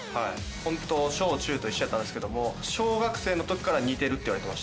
小・中と一緒やったんですけども小学生の時から似てるっていわれてました。